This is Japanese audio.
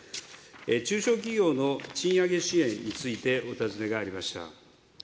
中小企業の賃上げ支援についてお尋ねがありました。